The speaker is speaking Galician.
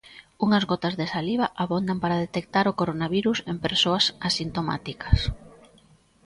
Unhas gotas de saliva abondan para detectar o coronavirus en persoas asintomáticas.